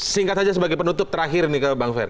singkat saja sebagai penutup terakhir nih ke bang fahir